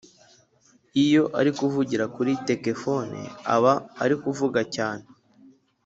iyo ari kuvugira kuri tekefone aba ari kuvuga cyane